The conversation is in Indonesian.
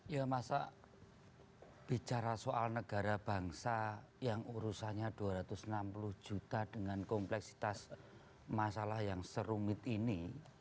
ya masa bicara soal negara bangsa yang urusannya dua ratus enam puluh juta dengan kompleksitas masalah yang serumit ini